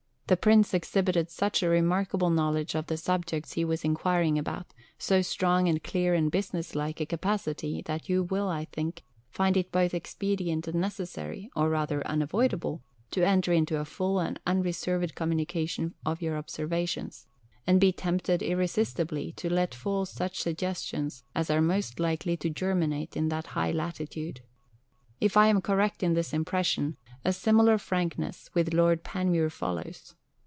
The Prince exhibited such a remarkable knowledge of the subjects he was enquiring about, so strong and clear and business like a capacity that you will, I think, find it both expedient and necessary, or rather unavoidable, to enter into a full and unreserved communication of your observations, and be tempted irresistibly to let fall such suggestions as are most likely to germinate in that high latitude. If I am correct in this impression, a similar frankness with Lord Panmure follows.